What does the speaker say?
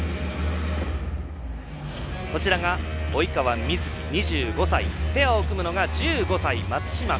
こちらが及川瑞基、２５歳ペアを組むのが１５歳、松島輝